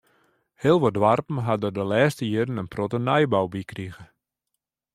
Heel wat doarpen ha der de lêste jierren in protte nijbou by krige.